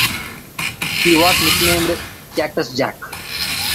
He was nicknamed Cactus Jack.